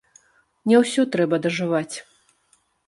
Не ўсё трэба дажываць.